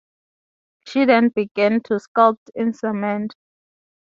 She then began to sculpt in cement.